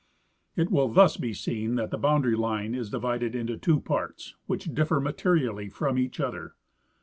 It will thus be seen that the boundary line is divided into two parts which differ materially from each other.